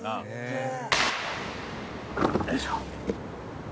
よいしょ。